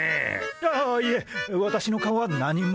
ああいえ私の顔は何も。